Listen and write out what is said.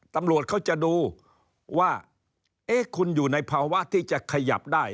ตำรวจเขาจะดูว่าเอ๊ะคุณอยู่ในภาวะที่จะขยับได้